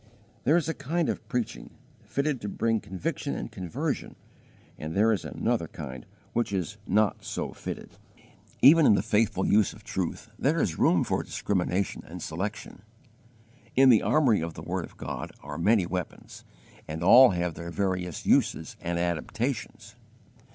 There is a kind of preaching, fitted to bring conviction and conversion, and there is another kind which is not so fitted. Even in the faithful use of truth there is room for discrimination and selection. In the armory of the word of God are many weapons, and all have their various uses and adaptations.